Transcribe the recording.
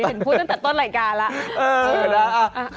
เห็นพูดตั้งแต่ต้นรายการแล้ว